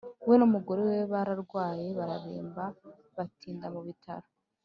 we n’umugore we bararwaye bararemba batinda mu bitaro.